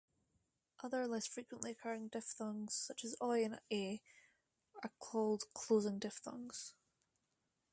Other less frequently occurring diphthongs such as oi and ai are called closing diphthongs.